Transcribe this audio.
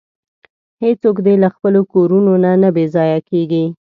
هیڅوک دې له خپلو کورونو نه بې ځایه کیږي.